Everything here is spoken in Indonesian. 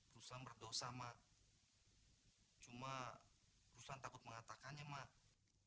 ruslan berdosa mak cuma ruslan takut mengatakannya mak